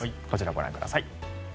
こちら、ご覧ください。